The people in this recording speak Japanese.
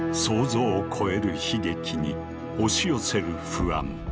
想像を超える悲劇に押し寄せる不安。